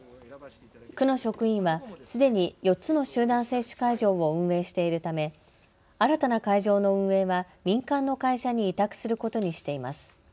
区の職員はすでに４つの集団接種会場を運営しているため新たな会場の運営は民間の会社に委託することにしています。